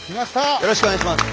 よろしくお願いします。